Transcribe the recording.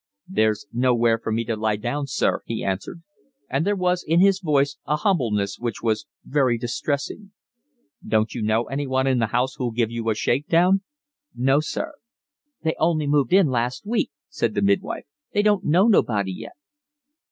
"There's nowhere for me to lie down, sir," he answered, and there was in his voice a humbleness which was very distressing. "Don't you know anyone in the house who'll give you a shakedown?" "No, sir." "They only moved in last week," said the midwife. "They don't know nobody yet."